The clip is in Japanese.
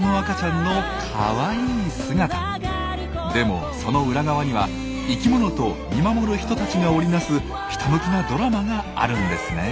でもその裏側には生きものと見守る人たちが織り成すひたむきなドラマがあるんですね。